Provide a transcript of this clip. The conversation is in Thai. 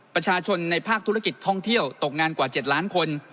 ประชาชนในภาคธุรกิจท่องเที่ยวตกงานกว่า๗ล้านคน